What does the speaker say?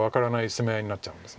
攻め合いになっちゃうんです。